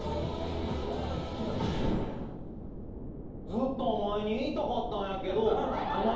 ずっとお前に言いたかったんやけどお前